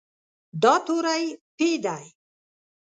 دا توری "پ" دی.